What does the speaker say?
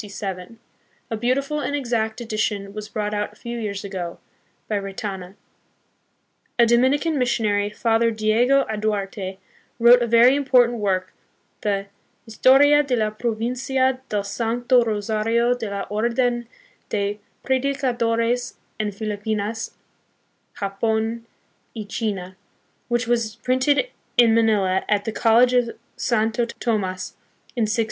A beautiful and exact edition was brought out a few years ago, by Retana. A Dominican missionary, Father Diego Aduarte, wrote a very important work, the Historia de la Provincia del Sancto Rosario de la Orden de Predicadores en Filipinas, Japdn y China, w T hich was printed in Manila at the Col lege of Santo Tomas in 1640.